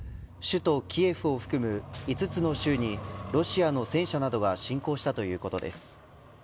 首都キエフを含む５つの州にロシアの戦車などが侵攻したということです。